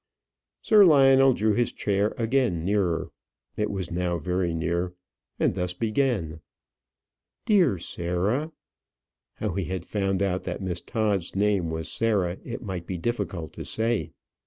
Sir Lionel drew his chair again nearer it was now very near and thus began: "Dear Sarah! " How he had found out that Miss Todd's name was Sarah it might be difficult to say.